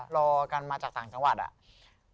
รอกันมาจากต่างจังหวัดอะ